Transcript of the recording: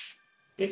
えっ？